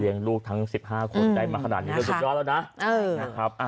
เลี้ยงลูกทั้ง๑๕คนได้มาขนาดนี้เรียกว่าสุดยอดแล้วนะ